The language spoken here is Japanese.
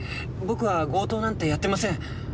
僕は強盗なんてやってません。